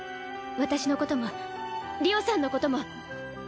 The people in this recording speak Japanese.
私のことも莉央さんのことも！